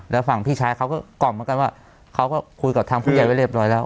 แล้วฝั่งพี่ชายเขาก็กล่อมเหมือนกันว่าเขาก็คุยกับทางผู้ใหญ่ไว้เรียบร้อยแล้ว